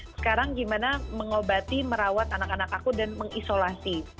sekarang gimana mengobati merawat anak anak aku dan mengisolasi